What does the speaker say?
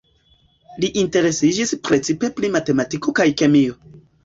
Li interesiĝis precipe pri matematiko kaj kemio.